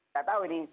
saya tahu ini